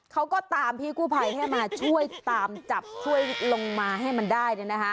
เขาก็ตามพี่กู้ภัยให้มาช่วยตามจับช่วยลงมาให้มันได้